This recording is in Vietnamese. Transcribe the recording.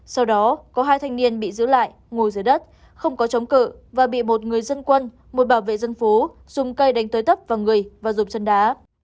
sau đó có hai thanh niên bị giữ lại ngồi dưới đất không có chống cự và bị một người dân quân một bảo vệ dân phố dùng cây đánh tới tấp vào người và rục chân đá